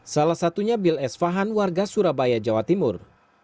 salah satunya bill s fahan warga surabaya jawa timur